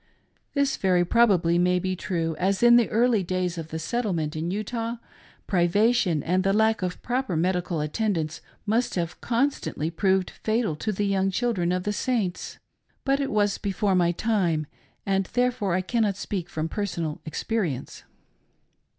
This very probably may be true, as in the early days of the settlement in Utah, priva tion and the lack of proper medical attendance must have constantly proved fatal to the young children of the Saints. But it was before my time, and therefore I cannot speak from personal experience.